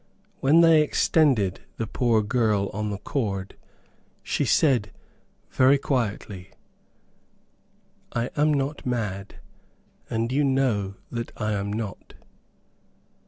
When they extended the poor girl on the cord, she said, very quietly, "I am not mad, and you know that I am not."